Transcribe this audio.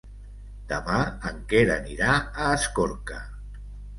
Demà en Quer anirà a Escorca.